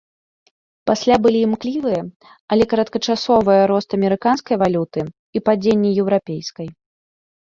Пасля былі імклівыя, але кароткачасовыя рост амерыканскай валюты і падзенне еўрапейскай.